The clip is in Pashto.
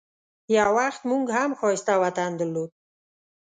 یو وخت موږ هم ښایسته وطن درلود.